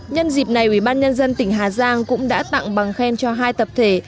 nhân dịp này ủy ban nhân dân tỉnh hà giang cũng đã tặng bằng khen cho hai tập thể